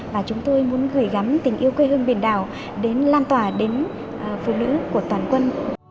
và chúng tôi muốn gửi gắm tình yêu quê hương biển đảo đến lan tỏa đến phụ nữ của toàn quân